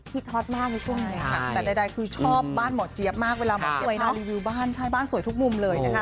ที่เหมาะสม